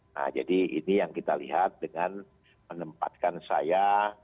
nah jadi ini yang kita lihat dengan menempatkan saya